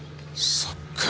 そっか。